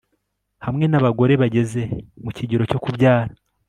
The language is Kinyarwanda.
hamwe n'abagore bageze mu kigero cyo kubyara